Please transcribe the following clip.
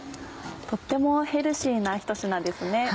とってもヘルシーなひと品ですね。